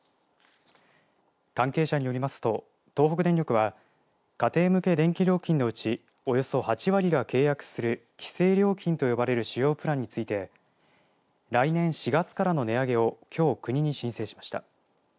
関係者によりますと東北電力は家庭向け電気料金のうちおよそ８割が契約する規制料金と呼ばれる主要プランについて来年４月からの値上げをきょう、国に申請しました。